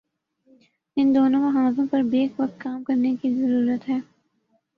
ان دونوں محاذوں پر بیک وقت کام کرنے کی ضرورت ہے۔